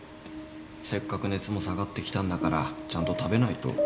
せっかく熱も下がってきたんだからちゃんと食べないと。